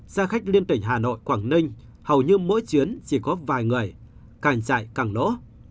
xe khách liên tỉnh hà nội quảng ninh hầu như mỗi chuyến chỉ có vài người càng chạy càng lỗ